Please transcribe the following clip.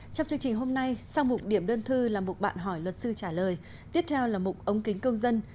trong chương trình hôm nay sau mục điểm đơn thư là mục bạn hỏi luật sư trả lời tiếp theo là mục ống kính công dân